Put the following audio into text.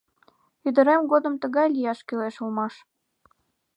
— Ӱдырем годым тыгай лияш кӱлеш улмаш.